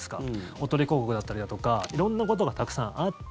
おとり広告だったりだとか色んなことがたくさんあって。